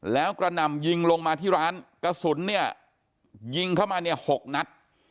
แล้วกระหน่ำยิงลงมาที่ร้านกระสุนเนี่ยยิงเข้ามาเนี่ย๖นัด